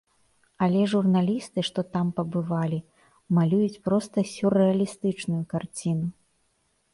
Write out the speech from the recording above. Але журналісты, што там пабывалі, малююць проста сюррэалістычную карціну.